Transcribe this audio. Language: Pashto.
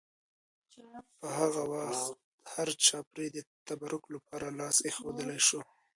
په هغه وخت هرچا پرې د تبرک لپاره لاس ایښودلی شو.